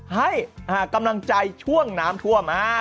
ให้กำลังใจช่วงน้ำท่วม